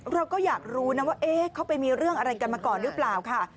เราก็อยากรู้นะว่าเขาไปมีเรื่องอะไรกันมาก่อนหรือเปล่าค่ะ